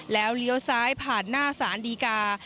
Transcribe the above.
แล้วเลี้ยวซ้ายผ่านหน้าสารดีกา